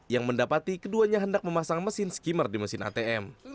yang mendapati keduanya hendak memasang mesin skimmer di mesin atm